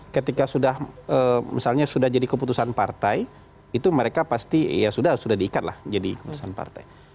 ketika sudah misalnya sudah jadi keputusan partai itu mereka pasti ya sudah diikat lah jadi keputusan partai